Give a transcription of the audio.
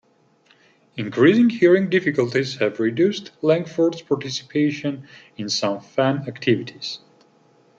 Increasing hearing difficulties have reduced Langford's participation in some fan activities.